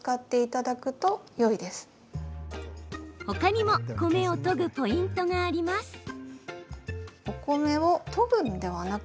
ほかにも米をとぐポイントがあります。